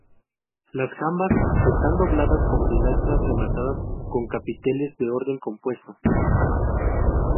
Las jambas están dobladas con pilastras rematadas con capiteles de orden compuesto.